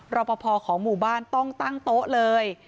รอปภของหมู่บ้านต้องตั้งโต๊ะเลย